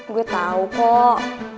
gua tau kok